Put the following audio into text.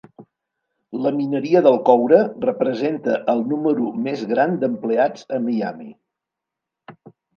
La mineria del coure representa el número més gran d'empleats a Miami.